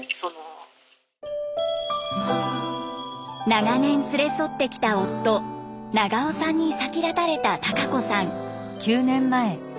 長年連れ添ってきた夫長男さんに先立たれた孝子さん。